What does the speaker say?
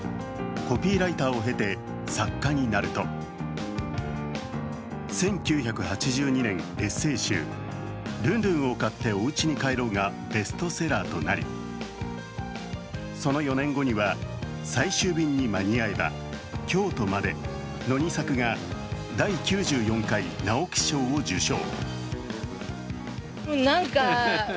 コピーライターを経て作家になると１９８２年、エッセー集「ルンルンを買っておうちに帰ろう」がベストセラーとなり、その４年後には「最終便に間に合えば」、「京都まで」の２作が第９４回直木賞を受賞。